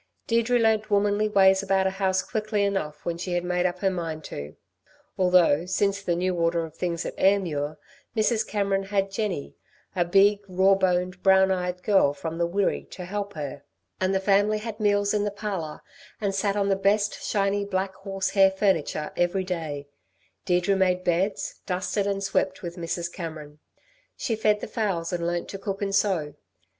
Deirdre learnt womanly ways about a house quickly enough when she had made up her mind to. Although since the new order of things at Ayrmuir, Mrs. Cameron had Jenny, a big, raw boned, brown eyed girl from the Wirree, to help her, and the family had meals in the parlour, and sat on the best shiny, black horse hair furniture every day, Deirdre made beds, dusted and swept with Mrs. Cameron. She fed the fowls and learnt to cook and sew.